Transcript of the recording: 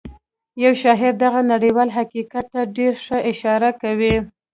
یو شاعر دغه نړیوال حقیقت ته ډېره ښه اشاره کوي